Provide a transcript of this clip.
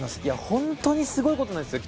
本当にすごいことなんですよ。